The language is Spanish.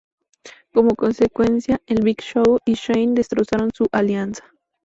Como consecuencia, el Big Show y Shane destrozaron su alianza.